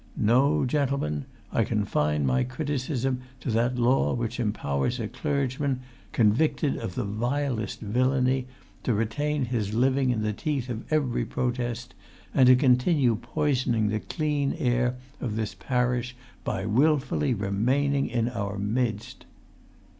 No, gentlemen, I confine my criticism to that law which empowers a clergyman, convicted of the vilest villainy, to retain[Pg 202] his living in the teeth of every protest, and to continue poisoning the clean air of this parish by wilfully remaining in our midst."